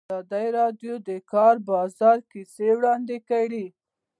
ازادي راډیو د د کار بازار کیسې وړاندې کړي.